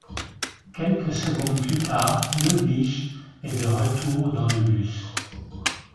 Quelques secondes plus tard, Löblich est de retour dans le bus.